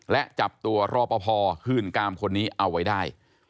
และจับตัวรอบพอพอขื่นกรรมคนนี้เอาไว้ได้